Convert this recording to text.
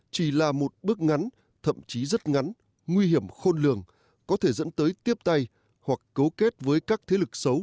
chỉ là một bước ngắn thậm chí rất ngắn nguy hiểm khôn lường có thể dẫn tới tiếp tay hoặc cấu kết với các thế lực xấu